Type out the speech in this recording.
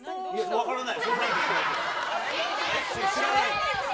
分からない。